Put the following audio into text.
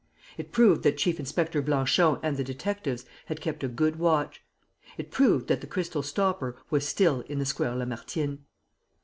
It proved that Chief inspector Blanchon and the detectives had kept a good watch. It proved that the crystal stopper was still in the Square Lamartine.